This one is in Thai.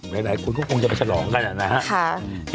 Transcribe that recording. หลายคนก็คงจะไปฉลองกันนะครับ